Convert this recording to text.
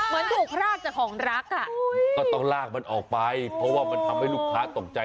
โหยน้องเจ้าฮผมอยากกินไก่อยากกินข้อมันไก่